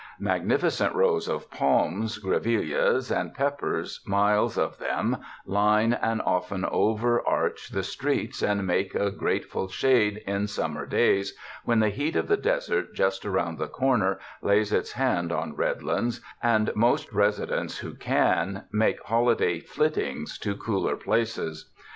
Magnificent rows of palms, grevilleas and peppers, miles of them, line and often overarch the streets and make a grateful shade in summer days when the heat of the desert just around the corner lays its hand on Redlands, and most residents who can, make holi day flittings to cooler places.